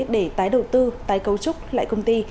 để tái đầu tư tái cấu trúc lại công ty